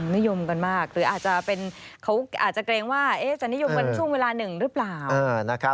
นิยมกันมากที่เขาอาจจะเเกรงว่าจะนิยมกันช่วงเวลานึงหรือเปล่า